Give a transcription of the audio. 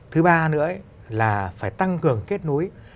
thứ ba nữa là phải tăng cường kết nối